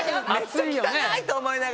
汚いと思いながら。